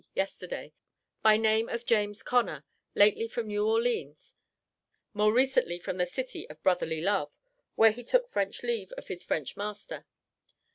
yesterday, by name of James Connor, lately from New Orleans, more recently from the city of Brotherly love, where he took French leave of his French master.